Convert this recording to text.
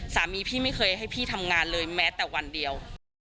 สามีพี่ไม่เคยให้พี่ทำงานเลยแม้แต่วันเดียว